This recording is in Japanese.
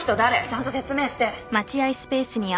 ちゃんと説明して。